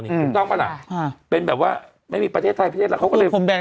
นี่ครูน้องก็แหละอ่าเป็นแบบว่าไม่มีคุณคุณแบรนด์